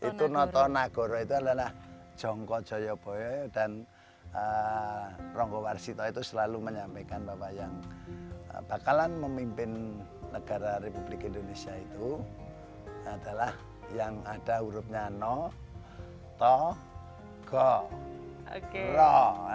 itu noto nagoro itu adalah jongko joyoboyo dan ronggo warsito itu selalu menyampaikan bahwa yang bakalan memimpin negara republik indonesia itu adalah yang ada hurufnya no to goro